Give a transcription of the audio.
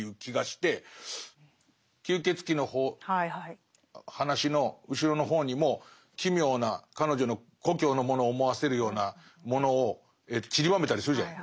吸血鬼の話の後ろの方にも奇妙な彼女の故郷のものを思わせるようなものをちりばめたりするじゃない。